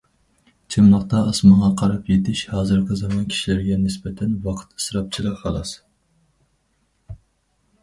چىملىقتا ئاسمانغا قاراپ يېتىش ھازىرقى زامان كىشىلىرىگە نىسبەتەن ۋاقىت ئىسراپچىلىقى خالاس.